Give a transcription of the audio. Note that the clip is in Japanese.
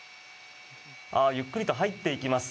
ゆっくりと入っていきます。